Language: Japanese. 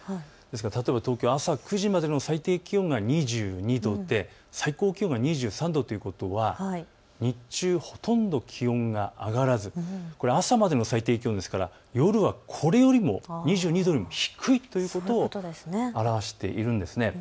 例えば東京は朝９時までの最低気温は２２度で最高気温が２３度ということは日中ほとんど気温が上がらず朝までの最低気温ですから夜はこれよりも、２２度よりも低いということを表しているんです。